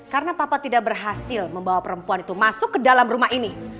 karena papa tidak berhasil membawa perempuan itu masuk ke dalam rumah ini